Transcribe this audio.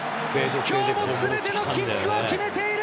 きょうもすべてのキックを決めている！